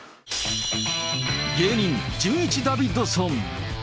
芸人、じゅんいちダビッドソン。